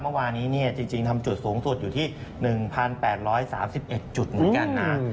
เมื่อวานี้จริงทำจุดสูงสุดอยู่ที่๑๘๓๑จุดเหมือนกันนะ